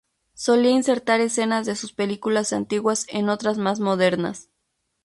Solía insertar escenas de sus películas antiguas en otras más modernas.